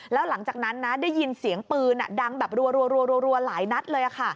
แล้วหลังจากนั้นนะได้ยินเสียงปืนดังแบบรัวหลายนัดเลย